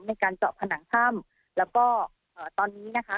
ในการเจาะผนังถ้ำแล้วก็เอ่อตอนนี้นะคะ